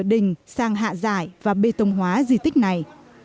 đình sang hạ giải và bê tông hóa di tích này